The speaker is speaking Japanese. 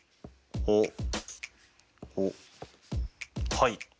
はい。